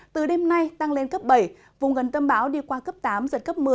từ đêm nay tăng lên cấp bảy vùng gần tâm báo đi qua cấp tám giật cấp một mươi